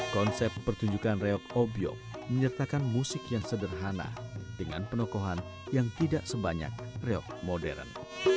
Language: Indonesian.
konsep pertunjukan reok obyok menyertakan musik yang sederhana dengan penokohan yang tidak sebanyak reok modern